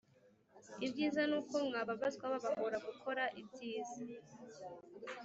Ibyiza n'uko mwababazwa babahora gukora ibyiza,